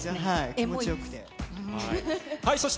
気持ちよくて。